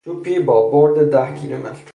توپی با برد ده کیلومتر